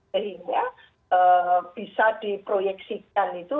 sehingga bisa diproyeksikan itu